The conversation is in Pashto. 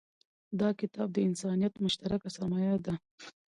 دا کتاب د انسانیت مشترکه سرمایه ده.